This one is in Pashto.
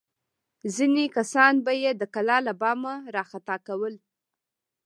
ځینې کسان به یې د کلا له بامه راخطا کول.